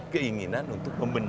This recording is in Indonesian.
keinginan untuk membenarkan